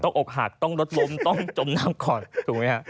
อกหักต้องรถล้มต้องจมน้ำก่อนถูกไหมฮะ